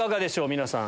皆さん。